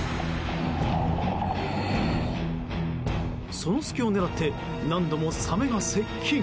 その隙を狙って何度もサメが接近。